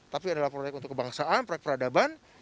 tapi adalah proyek untuk kebangsaan proyek peradaban